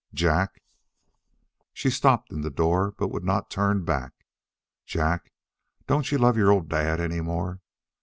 "Jack." She stopped in the door but would not turn back. "Jack, don't you love your old dad anymore?"